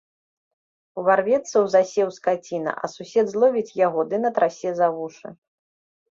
Уварвецца ў засеў скаціна, а сусед зловіць яго ды натрасе за вушы.